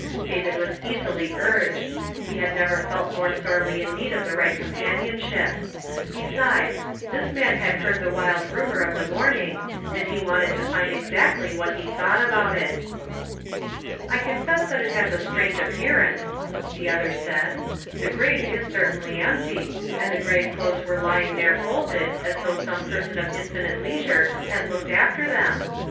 David was easily urged ; he had never felt more sorely in need of the right companionship ; besides, this man had heard the wild rumor of the morning, and he wanted to find exactly what he thought about it. " I confess that it has a strange appearance," the other said ;" the grave is certainly empty, and tlie grave clothes were lying there folded, as though some person of infinite leisure had looked after them.